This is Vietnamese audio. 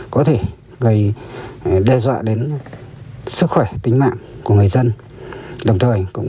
khởi tố vô giới gimed trong người được giới thiệu nói